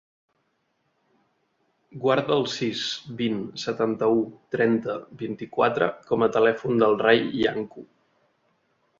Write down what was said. Guarda el sis, vint, setanta-u, trenta, vint-i-quatre com a telèfon del Rai Iancu.